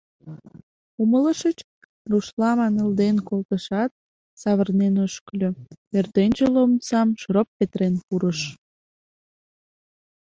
Умылышыч? — рушла манылден колтышат, савырнен ошкыльо, пӧртӧнчыл омсам шроп петырен пурыш.